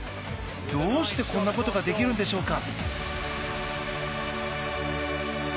どうしてこんなことができるんでしょうか。